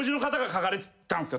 書かれてたんですよ。